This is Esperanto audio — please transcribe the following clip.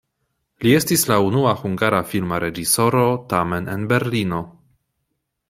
Li estis la unua hungara filma reĝisoro, tamen en Berlino.